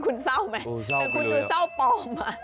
คุณเศร้าไหมแต่คุณดูเจ้าปลอม